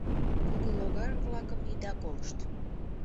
Кугылогар-влакым ида колышт!